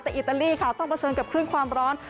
แต่อิตาลีค่ะต้องเผชิญกับคลื่นความร้อน